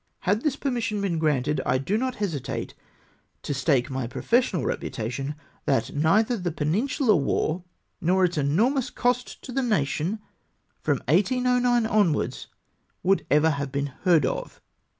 Had this permission been granted, I do not hesitate to stake my professional reputation that neither the Peninsular war, nor its enormous cost to the nation, from 1809 onwards, would ever have been heard of.